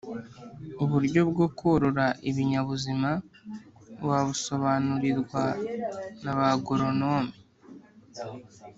uburyo bwo korora ibinyabuzima wabusobanurirwa naba goronome